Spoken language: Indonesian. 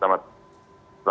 ya gitu ya itulah